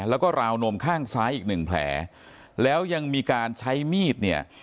แล้วก็ราวนมข้างซ้ายอีกหนึ่งแผลแล้วยังมีการใช้มีดเนี่ย